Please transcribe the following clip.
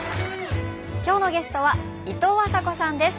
今日のゲストはいとうあさこさんです。